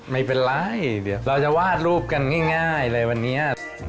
ไม่เป็นไรเดี๋ยวเราจะวาดรูปกันง่ายเลยวันนี้